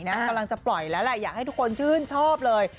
กำลังจะปล่อยแล้วแหละอยากให้ทุกคนชื่นชอบเลย